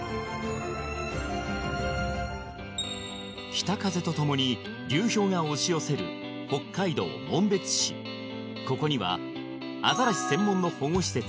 北風とともに流氷が押し寄せるここにはアザラシ専門の保護施設